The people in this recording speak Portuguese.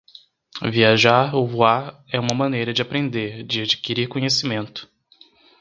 Viajar ou voar é uma maneira de aprender, de adquirir conhecimento.